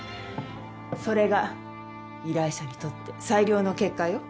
それが依頼者にとって最良の結果よ。